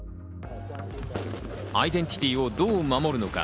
アイデンティティーをどう守るのか？